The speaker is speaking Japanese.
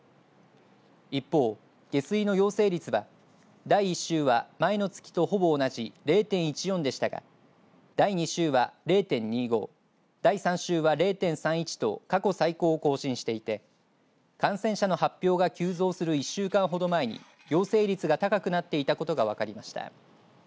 一方、下水の陽性率は第１週は、前の月とほぼ同じ０．１４でしたが第２週は、０．２５第３週は０．３１と過去最高を更新していて感染者の発表が急増する１週間ほど前に陽性率が高くなっていたことが分かりました。